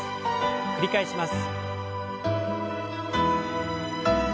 繰り返します。